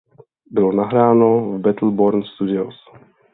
Bylo nahráno v Battle Born Studios.